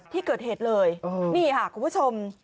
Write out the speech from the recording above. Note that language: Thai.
ที่เกิดเหตุเลยนี่ค่ะคุณผู้ชม